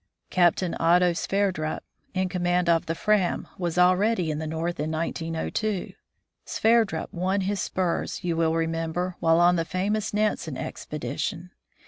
Captain Otto Sverdrup, in command of the Fram, was already in the North in 1902. Sverdrup won his spurs, you will remember, while on the famous Nansen expedi tion.